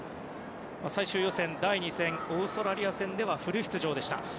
最終予選第２戦オーストラリア戦ではフル出場でした。